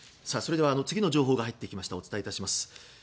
次の情報が入ってきましたのでお伝えします。